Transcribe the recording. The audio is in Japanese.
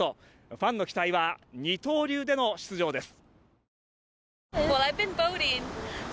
ファンの期待は二刀流での出場です。